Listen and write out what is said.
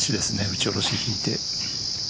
打ち下ろし引いて。